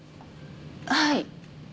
はい。